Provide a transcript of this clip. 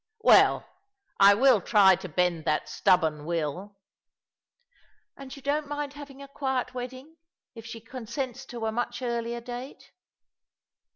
" Well, I will^try to bend that stubborn will.'' "And yon don't mind having a quiet wedding, if she consents to a much earlier date